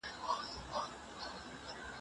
د نورو کلتورونو په اړه معلومات ترلاسه کړه.